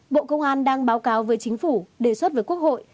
bộ công an đang báo cáo với chính phủ đề xuất với quốc hội